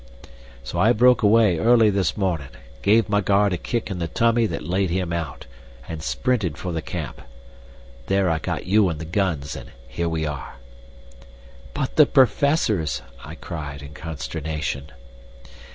"So I broke away early this mornin', gave my guard a kick in the tummy that laid him out, and sprinted for the camp. There I got you and the guns, and here we are." "But the professors!" I cried, in consternation.